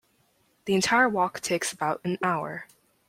The entire walk takes about an hour.